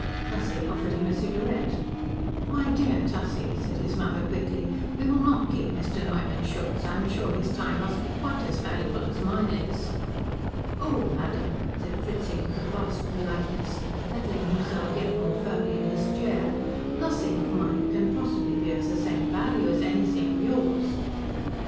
Tussie offered him a cigarette. "My dear Tussie," said his mother quickly, "we will not keep Mr. Neumann Schultz. I'm sure his time must be quite as valuable as mine is." "Oh madam," said Fritzing with a vast politeness, settling himself yet more firmly in his chair, "nothing of mine can possibly be of the same value as anything of yours."